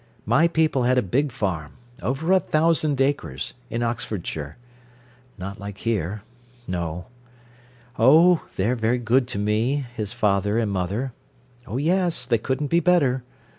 My people had a big farm over a thousand acres in Oxfordshire. Not like here no. Oh, they're very good to me, his father and mother. Oh yes, they couldn't be better.